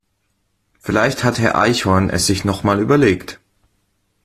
Vielleicht hat Herr Eichhorn es sich noch mal überlegt.